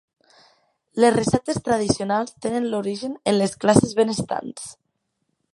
Les receptes tradicionals tenen l'origen en les classes benestants.